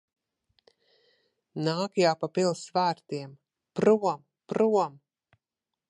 Nāk jau pa pils vārtiem. Prom! Prom!